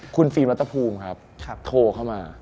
คุณฟิล์มรัฐภูมิครับโทรเข้ามา